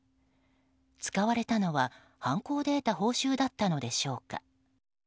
使われたのは犯行で得た報酬だったのでしょうか。